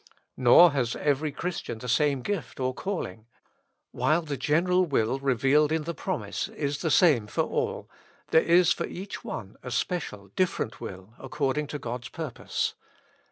Nor has every Christian the same gift or calling. While the general will revealed in the promise is the same for all, there is for each one a special different will according to God's purpose.